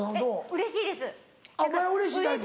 うれしいですね。